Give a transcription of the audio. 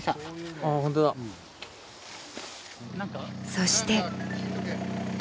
そして。